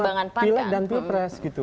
barangan sama pil dan pilpres gitu